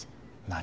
何？